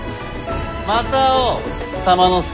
また会おう左馬之助。